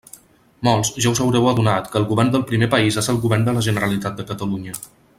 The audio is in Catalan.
Molts ja us haureu adonat que el govern del primer país és el Govern de la Generalitat de Catalunya.